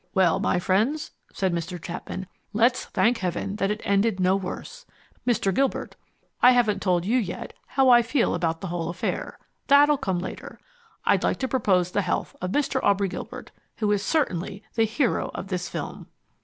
"Well, my friends," said Mr. Chapman, "Let's thank heaven that it ended no worse. Mr. Gilbert, I haven't told you yet how I feel about the whole affair. That'll come later. I'd like to propose the health of Mr. Aubrey Gilbert, who is certainly the hero of this film!"